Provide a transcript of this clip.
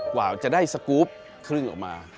กว่าจะได้สกรูปครึ่งออกมา